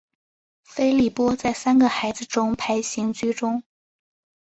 菲利波在三个孩子中排行居中。